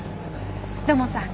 土門さん